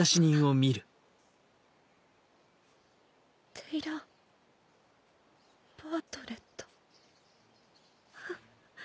「テイラー・バートレット」。